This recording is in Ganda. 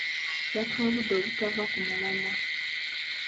Yatuwabudde obutava ku mulwamwa.